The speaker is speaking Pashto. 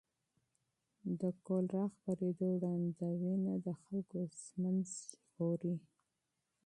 د کولرا خپرېدو وړاندوینه د خلکو ژوند ژغوري.